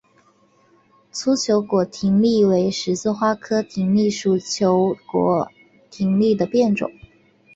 粗球果葶苈为十字花科葶苈属球果葶苈的变种。